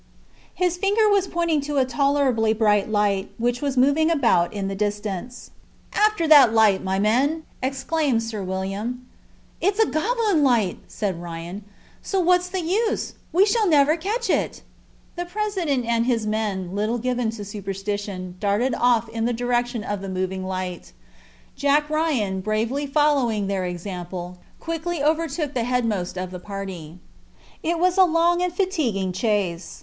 His finger was pointing to a tolerably bright light, which was moving about in the distance. "After that light, my men!" exclaimed Sir William. "It's a goblin light!" said Ryan. "So what's the use? We shall never catch it." The president and his men, little given to superstition, darted off in the direction of the moving light. Jack Ryan, bravely following their example, quickly overtook the head most of the party. It was a long and fatiguing chase.